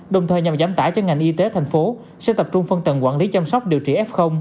đồng thời nhằm giảm tải cho ngành y tế thành phố sẽ tập trung phân tầng quản lý chăm sóc điều trị f